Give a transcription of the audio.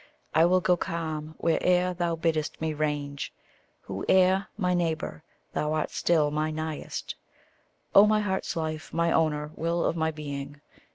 I will go calm where'er thou bid'st me range; Whoe'er my neighbour, thou art still my nighest. Oh my heart's life, my owner, will of my being!